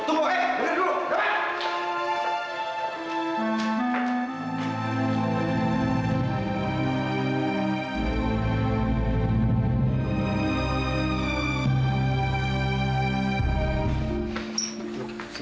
tunggu eh berdiri dulu